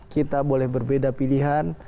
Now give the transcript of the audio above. kita boleh berbeda pilihan